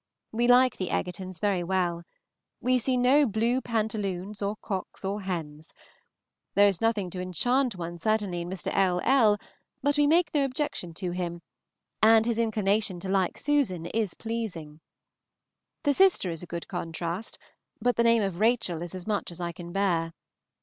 We like the Egertons very well. We see no blue pantaloons or cocks or hens. There is nothing to enchant one certainly in Mr. L. L., but we make no objection to him, and his inclination to like Susan is pleasing. The sister is a good contrast, but the name of Rachel is as much as I can bear.